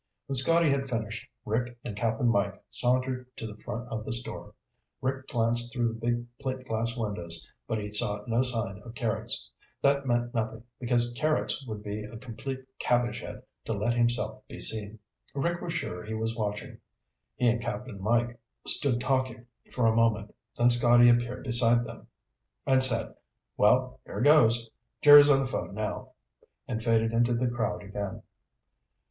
When Scotty had finished, Rick and Cap'n Mike sauntered to the front of the store. Rick glanced through the big plate glass windows, but he saw no sign of Carrots. That meant nothing, because Carrots would be a complete cabbagehead to let himself be seen. Rick was sure he was watching. He and Cap'n Mike stood talking for a moment, then Scotty appeared beside them, and said, "Well, here goes Jerry's on the phone now," and faded into the crowd again.